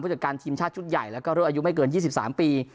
จากการทีมชาติชุดใหญ่แล้วก็รุ่นอายุไม่เกิน๒๓ปี